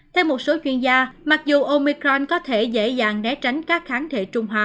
theo một số chuyên gia mặc dù omicron có thể dễ dàng né tránh các kháng thể trùng hòa